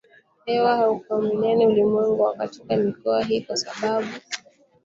hewa hakulingani ulimwenguni na katika mikoa Hii ni kwa sababu